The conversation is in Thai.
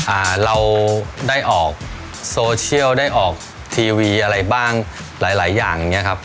อ่าเราได้ออกโซเชียลได้ออกทีวีอะไรบ้างหลายหลายอย่างอย่างเงี้ครับ